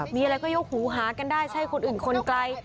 มีอะไรก็ยกหูหากันได้ใช่คนอื่นคนไกล